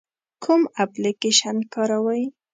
کوم اپلیکیشن کاروئ؟